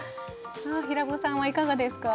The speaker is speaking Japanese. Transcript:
平子さんはいかがですか？